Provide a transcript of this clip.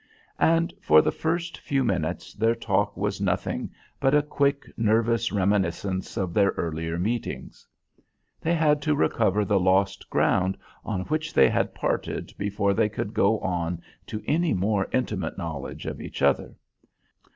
And for the first few minutes their talk was nothing but a quick, nervous reminiscence of their earlier meetings. They had to recover the lost ground on which they had parted before they could go on to any more intimate knowledge of each other.